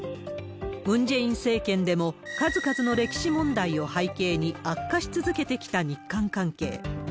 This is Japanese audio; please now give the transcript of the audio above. ムン・ジェイン政権でも、数々の歴史問題を背景に、悪化し続けてきた日韓関係。